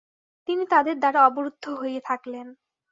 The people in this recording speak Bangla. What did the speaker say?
তিনি তাদের দ্বারা অবরুদ্ধ হয়ে থাকলেন।